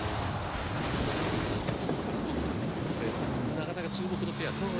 １７３センチの原と組むというこれなかなか注目のペアですね。